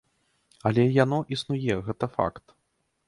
Але яно існуе, гэта факт!